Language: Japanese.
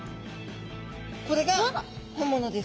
これが本物です。